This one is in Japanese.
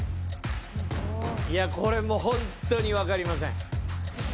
いやこれもうほんとにわかりません。